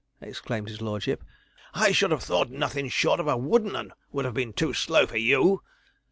exclaimed his lordship; 'I should have thought nothin' short of a wooden 'un would have been too slow for you.